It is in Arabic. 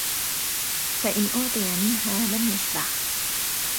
فَإِنْ أُعْطِيَ مِنْهَا لَمْ يَشْبَعْ